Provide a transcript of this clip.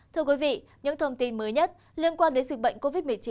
thưa quý vị những thông tin mới nhất liên quan đến dịch bệnh covid một mươi chín